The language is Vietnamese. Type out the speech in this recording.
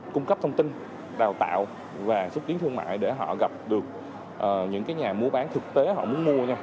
cung cấp thông tin đào tạo và xúc tiến thương mại để họ gặp được những nhà mua bán thực tế họ muốn mua